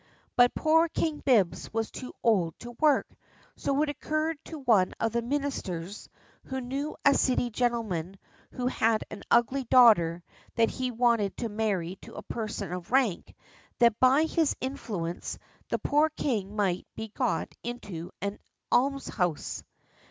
But poor King Bibbs was too old to work, so it occurred to one of the ministers, who knew a City gentleman who had an ugly daughter that he wanted to marry to a person of rank, that by his influence the poor king might be got into an almshouse.